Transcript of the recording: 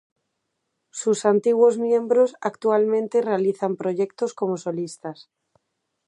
Sus antiguos miembros actualmente realizan proyectos como solistas.